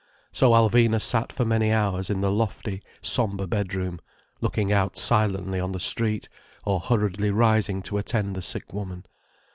So Alvina sat for many hours in the lofty, sombre bedroom, looking out silently on the street, or hurriedly rising to attend the sick woman.